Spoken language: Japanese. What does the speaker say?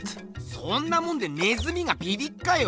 そんなもんでネズミがビビっかよ！